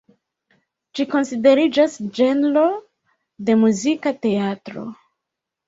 Ĝi konsideriĝas ĝenro de muzika teatro.